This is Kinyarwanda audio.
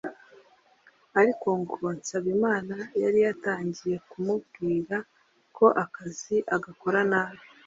ariko ngo Nsabimana yari yatangiye kumubwira ko akazi agakora nabi